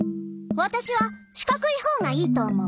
わたしはしかくいほうがいいと思う。